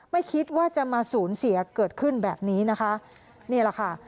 ไม่คิดว่าจะมาศูนย์เสียเกิดขึ้นแบบนี้นะคะ